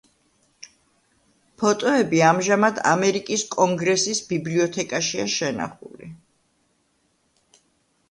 ფოტოები ამჟამად ამერიკის კონგრესის ბიბლიოთეკაშია შენახული.